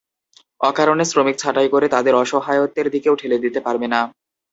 অকারণে শ্রমিক ছাঁটাই করে তাদের অসহায়ত্বের দিকেও ঠেলে দিতে পারবে না।